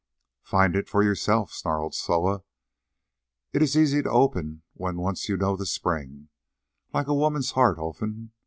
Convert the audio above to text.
"Find it for yourself," snarled Soa. "It is easy to open when once you know the spring—like a woman's heart, Olfan.